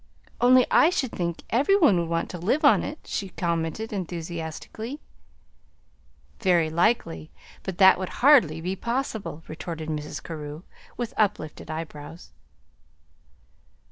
"Only I should think every one would want to live on it," she commented enthusiastically. "Very likely; but that would hardly be possible," retorted Mrs. Carew, with uplifted eyebrows.